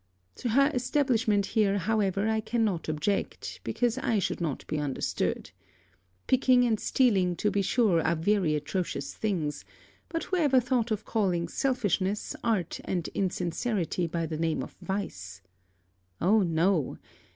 To her establishment here, however, I cannot object, because I should not be understood. Picking and stealing to be sure are very atrocious things; but who ever thought of calling selfishness, art, and insincerity by the name of vice? Oh no!